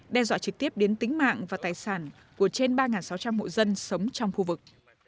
đe dọa trực tiếp đến tính mạng và tài sản của trên ba sáu trăm linh hộ dân sống trong khu vực